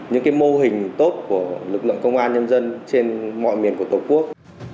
những mô hình tốt của lực lượng công an nhân dân trên mọi miền của tổ quốc